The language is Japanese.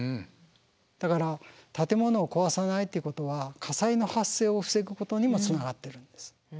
だから建物を壊さないってことは火災の発生を防ぐことにもつながってるんです。